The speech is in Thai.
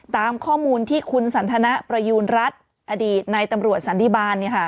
ตามข้อมูลที่คุณสันทนะประยูณรัฐอดีตในตำรวจสันดีบานเนี่ยค่ะ